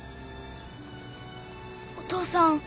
お父さん。